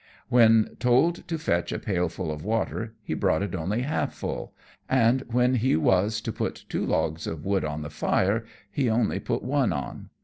_] When told to fetch a pail full of water, he brought it only half full, and when he was to put two logs of wood on the fire, he only put one on.